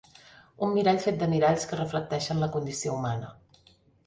Un mirall fet de miralls que reflecteixen la condició humana.